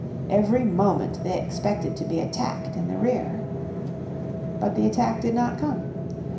Every moment they expected to be attacked in the rear. But the attack did not come.